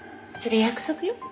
それ約束よ。